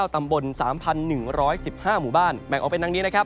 ๓๓๙ตำบล๓๑๑๕หมู่บ้านแม่งออกเป็นทั้งนี้